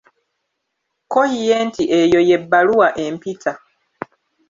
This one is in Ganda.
Kko ye nti Eyo ye bbaluwa empita.